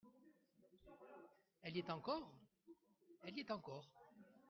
Elle y est encore ? Elle y est encore.